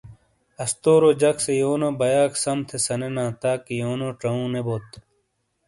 استورو جک سے یونو بیاک سم تھے سنینا تاکہ یونو چاؤوں نے بوت۔